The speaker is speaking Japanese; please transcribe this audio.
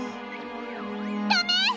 ダメ！